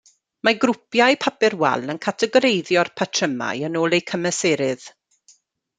Mae grwpiau papur wal yn categoreiddio'r patrymau yn ôl eu cymesuredd.